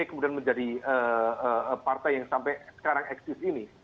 kemudian menjadi partai yang sampai sekarang eksis ini